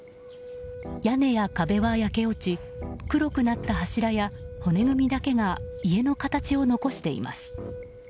屋根や壁は焼け落ち黒くなった柱や骨組みだけが家の形を残しています。